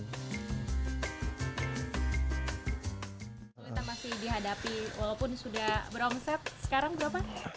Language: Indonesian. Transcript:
kita masih dihadapi walaupun sudah beromsep sekarang berapa